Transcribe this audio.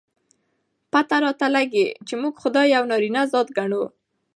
پته راته لګي، چې موږ خداى يو نارينه ذات ګڼو.